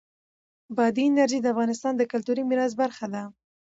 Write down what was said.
بادي انرژي د افغانستان د کلتوري میراث برخه ده.